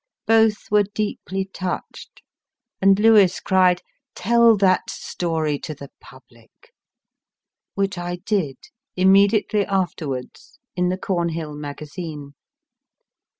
Both were deeply touched, and Lewes cried, Tell that story to the public ; which I did, immediately afterwards, in the Cornhill Magazine.